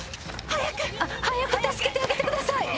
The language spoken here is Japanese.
早く助けてあげてください